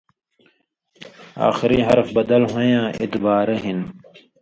آخری حرف بدل ہُوئین٘یاں اِدبارہ ہِن